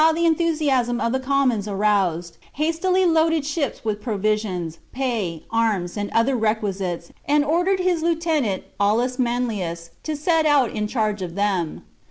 the enthusiasm of the commons aroused, hastily loaded ships with provision, pay, arms, and other requisites, and ordered his lieutenant, Aulus Manlius, to set out in charge of them.